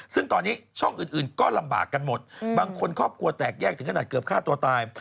ซึ่งตอนนี้ช่องอื่นก็ลำบากกันหมดบางคนครอบครัวแตกแยกถึงขนาดเกือบฆ่าตัวตาย